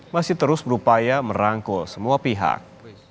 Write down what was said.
masih terus berupaya merangkul semua pihak